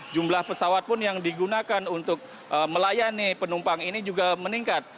jumlah pesawat pun yang digunakan untuk melayani penumpang ini juga meningkat